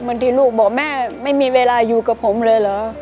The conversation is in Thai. บางทีลูกบอกแม่ไม่มีเวลาอยู่กับผมเลยเหรอ